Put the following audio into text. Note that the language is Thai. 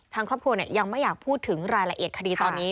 ทางครอบครัวยังไม่อยากพูดถึงรายละเอียดคดีตอนนี้